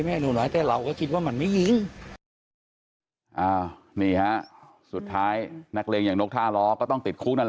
ไม่เอาไอ้นนท์ไว้แต่เราก็คิดว่ามันไม่ยิง